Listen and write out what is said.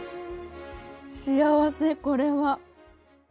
幸せ、これは。